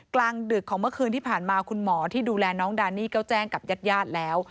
กลางดึกของมะคืนที่ผ่านมาคุณหมอที่ดูแลน้องดานีก็แจ้งกับยัดแล้ว